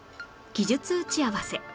技術打ち合わせ